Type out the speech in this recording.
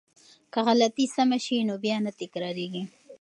که غلطی سمه شي نو بیا نه تکراریږي.